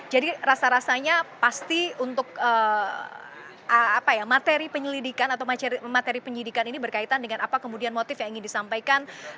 jadi rasa rasanya pasti untuk materi penyelidikan atau materi penyidikan ini berkaitan dengan apa kemudian motif yang ingin disampaikan